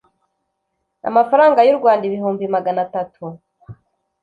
Amafaranga y u Rwanda ibihumbi magana atatu